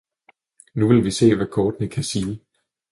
nu vil vi se, hvad kortene kan sige.